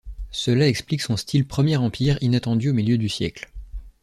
Cela explique son style Premier Empire inattendu au milieu du siècle.